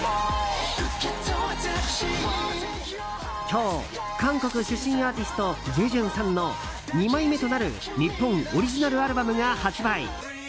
今日、韓国出身アーティストジェジュンさんの２枚目となる日本オリジナルアルバムが発売。